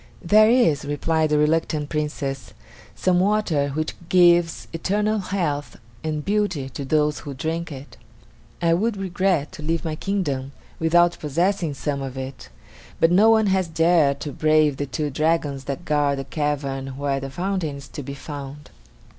"There is," replied the reluctant Princess, "some water which gives eternal health and beauty to those who drink it. I would regret to leave my kingdom without possessing some of it; but no one has dared to brave the two dragons that guard the cavern where the fountain is to be found."